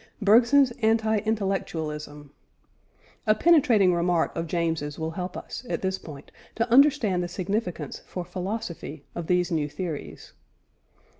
BERGSON'S ANTI INTELLECTUALISM. A penetrating remark of James' will help us, at this point, to understand the significance for philosophy of these new theories.